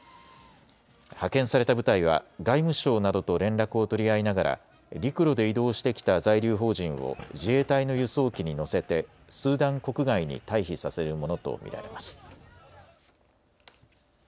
派遣された部隊は外務省などと連絡を取り合いながら陸路で移動してきた在留邦人を自衛隊の輸送機に乗せてスーダン国外に退避させるものと見られます。